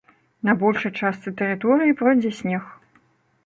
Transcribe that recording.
На большай частцы тэрыторыі пройдзе снег.